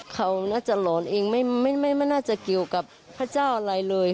เขาน่าจะหลอนเองไม่น่าจะเกี่ยวกับพระเจ้าอะไรเลย